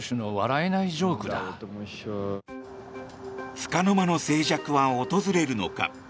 つかの間の静寂は訪れるのか。